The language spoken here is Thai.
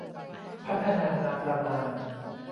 พัฒนามาประมาณ